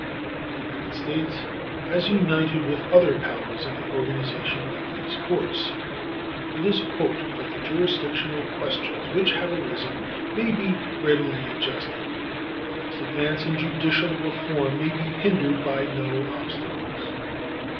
The United States has united with the other powers in the organization of these courts. It is hoped that the jurisdictional questions which have arisen may be readily adjusted, and that this advance in judicial reform may be hindered by no obstacles.